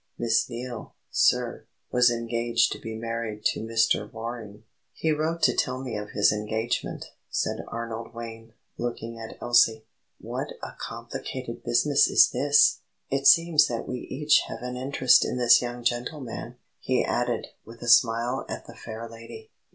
Miss Neale, sir, was engaged to be married to Mr. Waring." "He wrote to tell me of his engagement," said Arnold Wayne, looking at Elsie. "What a complicated business this is! It seems that we each have an interest in this young gentleman," he added, with a smile at the fair lady.